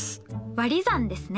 わり算ですね。